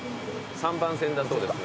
３番線だそうです。